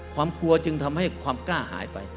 ความกลัวจึงทำให้ความกล้าหายไป